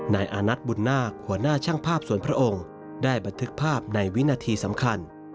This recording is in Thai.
นายอานัทบุญนาคหัวหน้าช่างภาพสวนพระองค์ได้บันทึกภาพในวินาทีสำคัญ